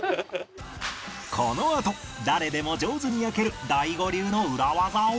このあと誰でも上手に焼ける大悟流の裏技を！